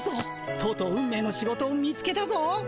とうとう運命の仕事を見つけたぞ。